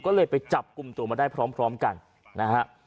ก็เลยไปจับกลุ่มตัวมาได้พร้อมกันนะฮะ